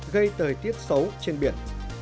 gây thời tiết xấu trên biển